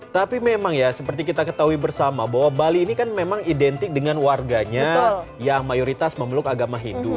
tapi memang ya seperti kita ketahui bersama bahwa bali ini kan memang identik dengan warganya yang mayoritas memeluk agama hindu